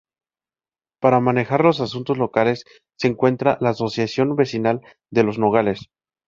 Para manejar los asuntos locales se encuentra la Asociación Vecinal de Los Nogales.